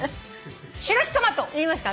「しろしトマト」いきますか。